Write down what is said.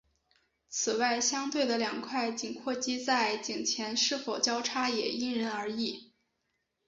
此外相对的两块颈阔肌在颈前是否交叉也因人而异。